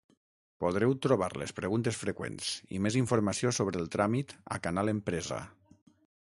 Podreu trobar les preguntes freqüents i més informació sobre el tràmit a Canal Empresa.